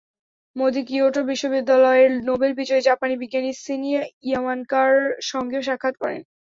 Modi Kyoto বিশ্ববিদ্যালয়ে Nobel বিজয়ী জাপানি বিজ্ঞানী শিনিয়া ইয়ামানাকার সঙ্গেও সাক্ষাৎ করেন।